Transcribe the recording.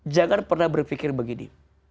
jangan pernah berpikir begini